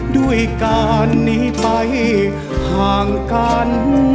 ด้วยการหนีไปห่างกัน